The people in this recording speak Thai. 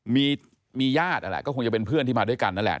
มีญาตินั่นแหละก็คงจะเป็นเพื่อนที่มาด้วยกันนั่นแหละ